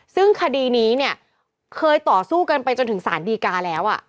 ซึ่งคดีนี้เนี่ยเคยต่อสู้กันไปจนถึงสารดีกาแล้ว